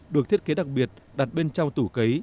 được thiết kế đặc biệt đặt bên trong tủ cấy